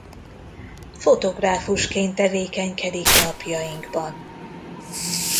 Fotográfusként tevékenykedik napjainkban.